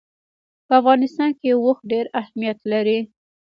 په افغانستان کې اوښ ډېر اهمیت لري.